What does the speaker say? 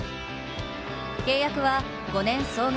契約は５年総額